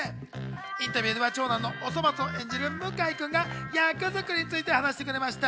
インタビューでは長男のおそ松を演じる向井君が役作りについて話してくれました。